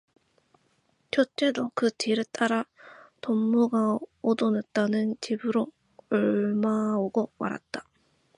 첫째도 그 뒤를 따라 동무가 얻어놨다는 집으로 옮아오고 말았다.